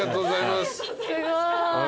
すごい。